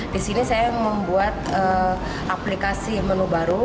disini saya membuat aplikasi menu baru